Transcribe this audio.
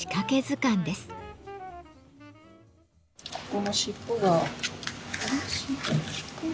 ここの尻尾が。